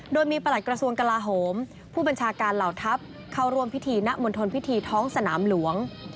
โดยมีประหลัดกระทรวงกลาโหมผู้บัญชาการเหล่าทัพเข้าร่วมพิธีณมณฑลพิธีท้องสนามหลวง